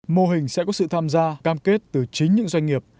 mô hình sẽ có sự tham gia cam kết từ chính những doanh nghiệp